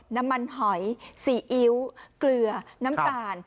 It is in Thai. น้ำมันหอยซีอิ๊วเกลือน้ำตาล